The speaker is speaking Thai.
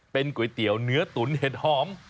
เป็นก๋วยเตี๋ยวเนื้อตุ๋นเห็ดหอม